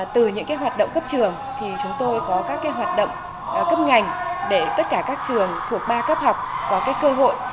từ những hoạt động cấp trường thì chúng tôi có các hoạt động cấp ngành để tất cả các trường thuộc ba cấp học có cơ hội